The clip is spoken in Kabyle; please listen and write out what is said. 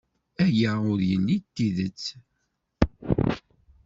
Aya ur yelli d tidet.